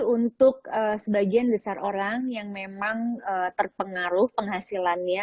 untuk sebagian besar orang yang memang terpengaruh penghasilannya